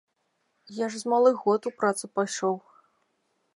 Я ж з малых год у працу пайшоў.